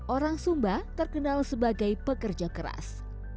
orang sumba terkenal sebagai pekerja keras